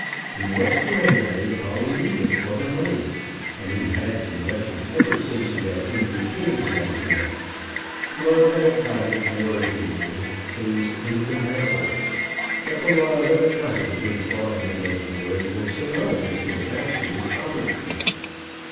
He was to have married Polly Neefit for her money, and he had been wretched ever since he had entertained the idea. Love and a cottage were, he knew, things incompatible; but the love and the cottage implied in those words were synonymous with absolute poverty.